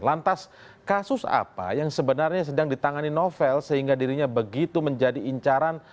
lantas kasus apa yang sebenarnya sedang ditangani novel sehingga dirinya begitu menjadi incaran